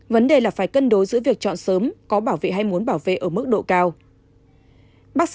vấn đề là phải cân đối giữa việc chọn sớm có bảo vệ hay muốn bảo vệ ở mức độ cao